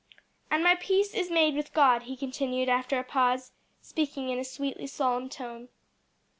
"And my peace is made with God," he continued after a pause, speaking in a sweetly solemn tone.